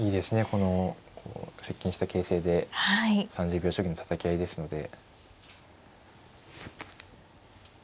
この接近した形勢で３０秒将棋のたたき合いですので。